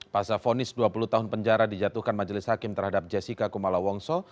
pasal fonis dua puluh tahun penjara dijatuhkan majelis hakim terhadap jessica kumala wongso